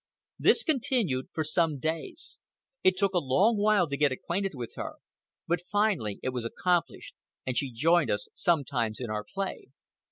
This continued for some days. It took a long while to get acquainted with her, but finally it was accomplished and she joined us sometimes in our play.